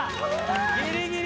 ギリギリ。